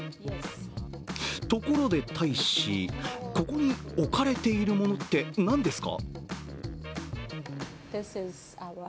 ところで大使、ここに置かれているものって何ですか？